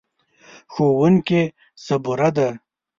ښوونکې صبوره ده.